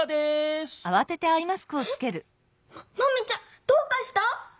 ママミちゃんどうかした？